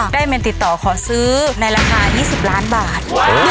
เมนติดต่อขอซื้อในราคา๒๐ล้านบาท